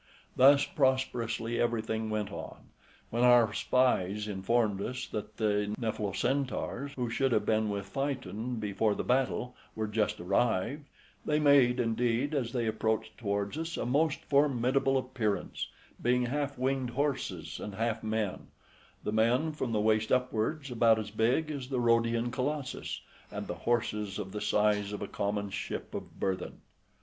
Thus prosperously everything went on, when our spies informed us that the Nephelocentaurs, who should have been with Phaeton before the battle, were just arrived: they made, indeed, as they approached towards us, a most formidable appearance, being half winged horses and half men; the men from the waist upwards, about as big as the Rhodian Colossus, and the horses of the size of a common ship of burthen.